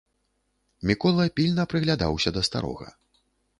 Мікола пільна прыглядаўся да старога.